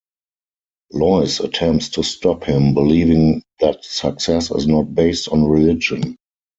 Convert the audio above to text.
Lois attempts to stop him, believing that success is not based on religion.